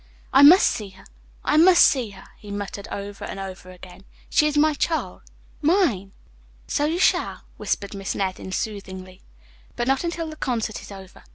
"I must see her. I must see her," he muttered over and over again. "She is my child; mine." "So you shall," whispered Miss Nevin soothingly, "but not until the concert is over.